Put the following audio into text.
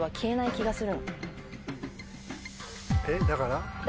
えっだからＢ？